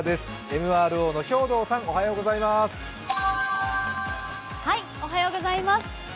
ＭＲＯの兵藤さん、おはようございます。